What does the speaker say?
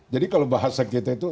jadi kalau bahasa kita itu